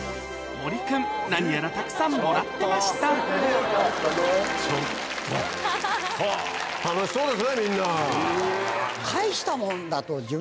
森君何やらたくさんもらってましたそうですよ。